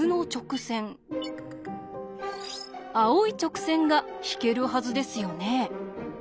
青い直線が引けるはずですよね。